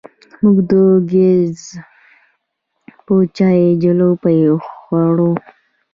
موږ د ګیځ په چای جلبۍ خورو.